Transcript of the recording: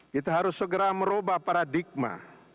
kita harus segera merubah paradigma